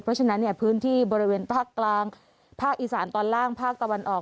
เพราะฉะนั้นเนี่ยพื้นที่บริเวณภาคกลางภาคอีสานตอนล่างภาคตะวันออก